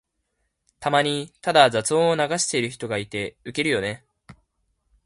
たまにただ雑音を流してる人がいてウケるよね。